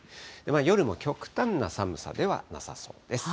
夜も極端な寒さではなさそうです。